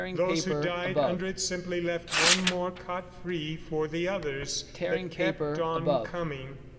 Those who died under it simply left one more cot free for the others that kept on coming.